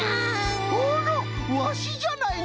あらワシじゃないの！